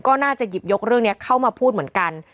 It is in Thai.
ก็น่าจะหยิบยกเรื่องนี้เข้ามาพูดเหมือนกัน